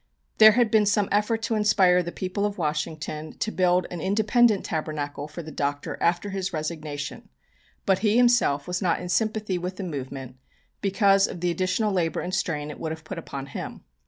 There had been some effort to inspire the people of Washington to build an independent Tabernacle for the Doctor after his resignation, but he himself was not in sympathy with the movement because of the additional labour and strain it would have put upon him.